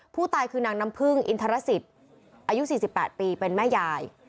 ผู้ตายคือนางน้ำพึ่งอินทรสิตอายุ๔๘ปีเป็นแม่ยาย